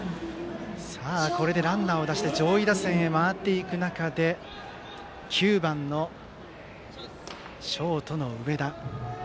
これでランナーを出して上位打線へ回っていく中で９番ショートの上田。